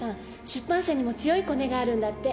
出版社にも強いコネがあるんだって。